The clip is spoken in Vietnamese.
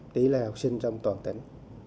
tỷ lệ học sinh trong toàn tỉnh